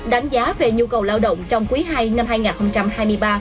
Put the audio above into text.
đánh giá về nhu cầu lao động trong quý ii năm hai nghìn hai mươi ba